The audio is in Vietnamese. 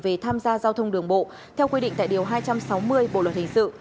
về tham gia giao thông đường bộ theo quy định tại điều hai trăm sáu mươi bộ luật hình sự